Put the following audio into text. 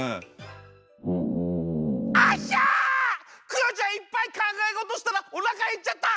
クヨちゃんいっぱいかんがえごとしたらおなかへっちゃった！